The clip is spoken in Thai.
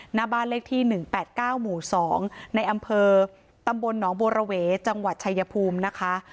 หน้าบ้านเลขที่๑๘๙หมู่๒ในอำเภอตำบลหนองบัวระเวจังหวัดชายภูมินะคะ